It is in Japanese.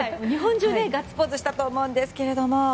日本中でガッツポーズしたと思うんですが。